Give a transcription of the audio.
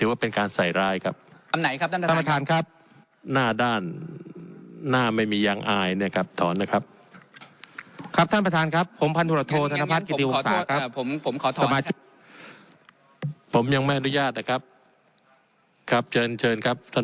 แล้วยังไม่ได้ไม่อายกับอะไรครับเจอนะครับท่าน